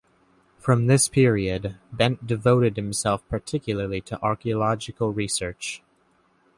From this period Bent devoted himself particularly to archaeological research.